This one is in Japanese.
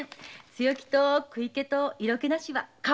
強気と食い気と色気なしは変わらんとです！